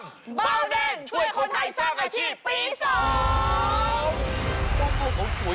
เบาแดงช่วยคนไทยสร้างอาชีพปี๒